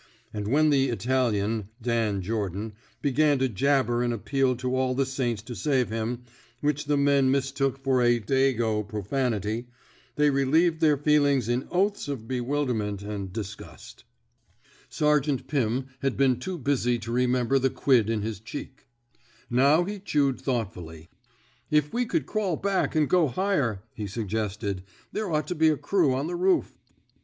And when the Italian, Dan Jordan," began to jabber an appeal to all the saints to save him — which the men mis took for a Dago " profanity — they re lieved their feelings in oaths of bewilderment and disgust. Sergeant Pim had been too busy to re member the quid in his cheek. Now he 18 THE BED INK SQUAD'' chewed thoughtfully. If we could crawl back an' go higher," he suggested, there ought to be a crew on the roof."